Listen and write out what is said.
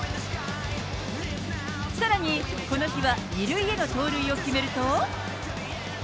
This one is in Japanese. さらに、この日は２塁への盗塁を決めると。